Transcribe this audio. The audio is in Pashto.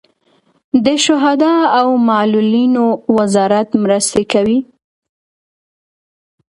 د شهدا او معلولینو وزارت مرستې کوي